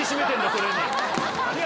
⁉それに。